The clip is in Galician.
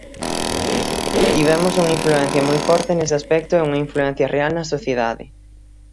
Tivemos unha influencia moi forte nese aspecto e unha influencia real na sociedade.